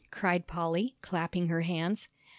cried Polly, clapping her hands.